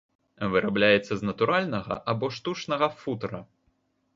Вырабляецца з натуральнага або штучнага футра.